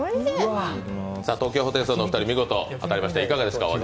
東京ホテイソンのお二人見事当たりましたがいかがですか？